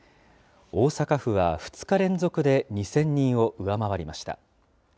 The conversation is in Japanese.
大阪府は２日連続で２０００人を上回りました。